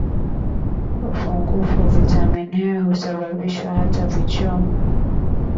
upungufu wa vitamini A husababisha hata vichomi